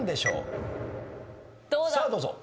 さあどうぞ。